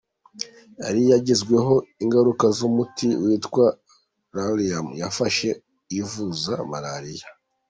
Yari yagizweho ingaruka z’umuti witwa Lariam yafashe yivuza malaria.